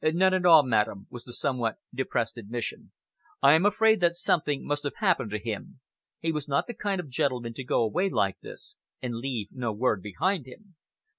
"None at all, madam," was the somewhat depressed admission. "I am afraid that something must have happened to him. He was not the kind of gentleman to go away like this and leave no word behind him."